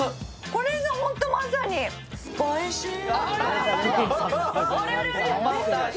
これぞほんと、まさにスパイシー。